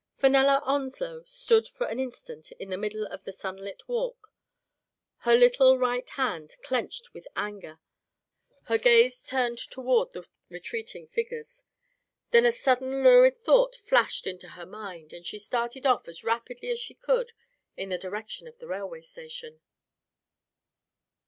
Fenella Onslow stood for an instant in the middle of the sunlit walk, her little right hand clenched with anger, her gaze turned toward the retreating figures. Then a sudden lurid thought flashed into her mind, and she started off as rapidly as she could in the direction of the rail way station.